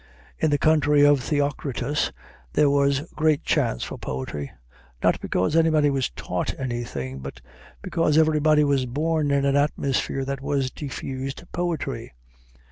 In the country of Theocritus there was great chance for poetry; not because anybody was taught anything, but because everybody was born in an atmosphere that was a diffused poetry.